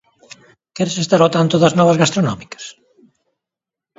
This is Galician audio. ¿Queres estar ao tanto das novas gastronómicas?